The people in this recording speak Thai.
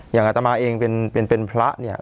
อย่างอาตมาเองเป็นพระเนี่ย